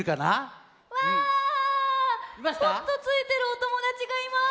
ポットついてるおともだちがいます。